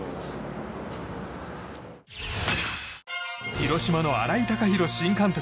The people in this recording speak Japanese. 広島の新井貴浩新監督。